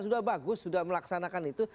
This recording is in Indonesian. sudah bagus sudah melaksanakan itu